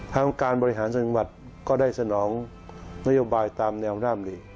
ทางการบริหารจังหวัดก็ได้สนองนโยบายตามแนวร่ามนี้